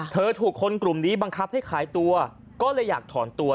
ถูกคนกลุ่มนี้บังคับให้ขายตัวก็เลยอยากถอนตัว